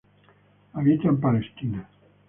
Habita en Palestina.